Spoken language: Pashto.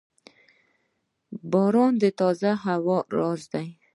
• باران د تازه هوا راز دی.